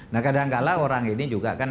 nah kadang kadang orang ini juga kan